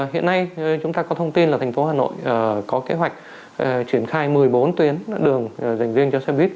hiện nay chúng ta có thông tin là thành phố hà nội có kế hoạch triển khai một mươi bốn tuyến đường dành riêng cho xe buýt